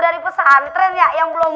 dari pesantren ya yang belum